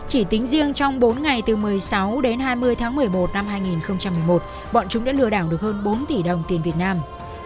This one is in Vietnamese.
chỉ tính riêng trong bốn ngày từ một mươi sáu đến hai mươi tháng một mươi một năm hai nghìn một mươi một bọn chúng đã lừa đảo được hơn bốn tỷ đồng tiền việt nam